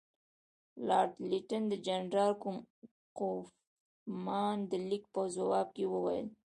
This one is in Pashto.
لارډ لیټن د جنرال کوفمان د لیک په ځواب کې وویل.